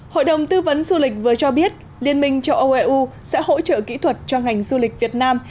hội đồng tư vấn du lịch vừa cho biết liên minh châu âu eu sẽ hỗ trợ kỹ thuật cho ngành du lịch việt nam